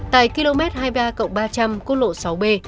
tại km hai mươi ba ba trăm linh quốc lộ sáu b